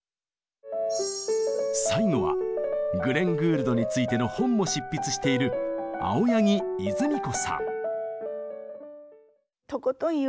最後はグレン・グールドについての本も執筆している崩さないというか。